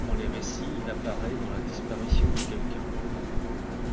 Dans les récits, il apparaît dans la disparition de quelqu'un.